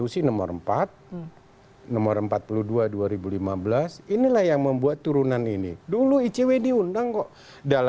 selalu rapat internal